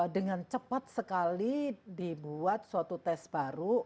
dengan cepat sekali dibuat suatu tes baru